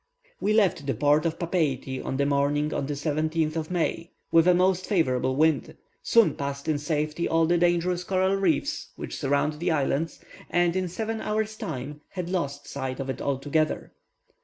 We left the port of Papeiti on the morning of the 17th of May, with a most favourable wind, soon passed in safety all the dangerous coral reefs which surround the island, and in seven hours' time had lost sight of it altogether.